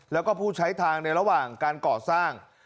แล้วก็ผู้ใช้ทางในระหว่างการก่อสร้าง